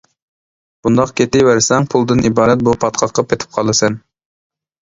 بۇنداق كېتىۋەرسەڭ، پۇلدىن ئىبارەت بۇ پاتقاققا پېتىپ قالىسەن.